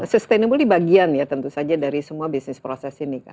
sustainable di bagian ya tentu saja dari semua bisnis proses ini kan